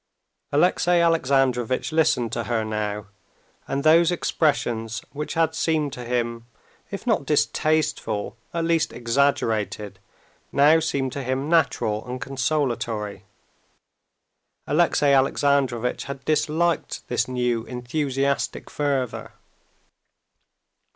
Alexey Alexandrovitch listened to her now, and those expressions which had seemed to him, if not distasteful, at least exaggerated, now seemed to him natural and consolatory. Alexey Alexandrovitch had disliked this new enthusiastic fervor.